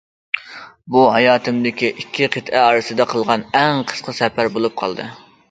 بۇ ھاياتىمدىكى ئىككى قىتئە ئارىسىدا قىلغان ئەڭ قىسقا سەپەر بولۇپ قالدى.